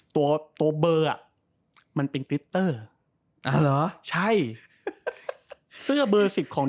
ตัวตัวเบอร์อ่ะมันเป็นกริตเตอร์อ่าเหรอใช่เสื้อเบอร์สิบของ